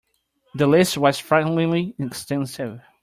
The list was frighteningly extensive.